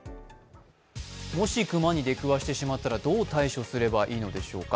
もし熊に出くわしてしまったらどう対処すればいいのでしょうか。